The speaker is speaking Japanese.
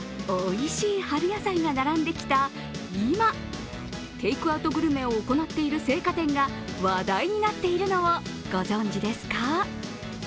おいしい春野菜が並んできた今、テイクアウトグルメを行っている青果店が話題になっているのをご存じですか？